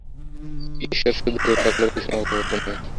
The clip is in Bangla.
ঈশ্বর শুদ্ধস্বরূপ, সকলের প্রতি সমভাবাপন্ন।